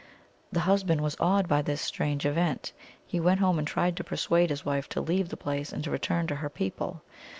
The husband was awed by this strange event. He went home, and tried to persuade his wife to leave the place and to return to her people.